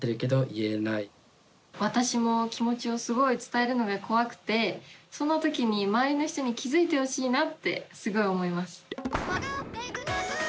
私も気持ちをすごい伝えるのが怖くてその時に周りの人に気付いてほしいなってすごい思います。